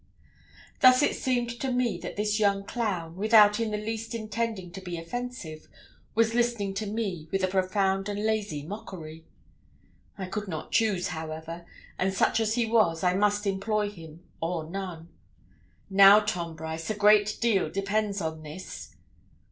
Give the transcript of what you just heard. Thus it seemed to me that this young clown, without in the least intending to be offensive, was listening to me with a profound and lazy mockery. I could not choose, however; and, such as he was, I must employ him or none. 'Now, Tom Brice, a great deal depends on this.'